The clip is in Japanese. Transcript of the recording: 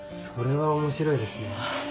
それは面白いですね。